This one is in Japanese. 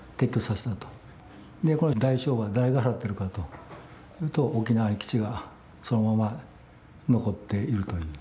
でこの代償は誰が払ってるかというと沖縄に基地がそのまま残っているという。